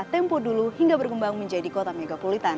tempo dulu hingga bergembang menjadi kota megapulitan